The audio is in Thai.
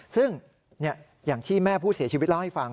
ซึ่งอย่างที่แม่ผู้เสียชีวิตเล่าให้ฟัง